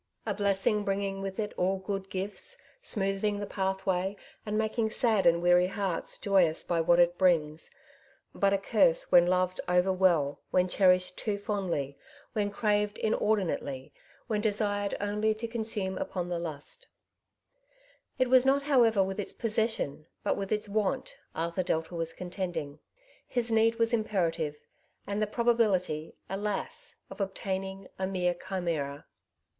. A blessing, bringing with it all good gifts, smoothing the paith way, and making sad and weary hearts joyous by what it brings ; but a curse when loved over well, when cherished too fondly, when craved inordi nately, when desired only to consume upon the lust. Bitter Disappointment, 193 It was not, however, with ils possessiouy but with its wantj Arthur Delta was contending. His need ivas imperative, and the probability, alas 1 of obtain ing, a mere chimera.